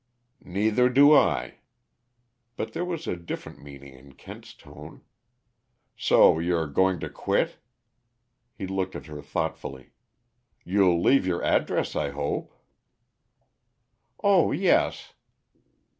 "Neither do I." But there was a different meaning in Kent's tone. "So you're going to quit?" He looked at her thoughtfully "You'll leave your address, I hope!" "Oh, yes."